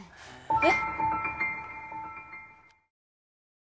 えっ？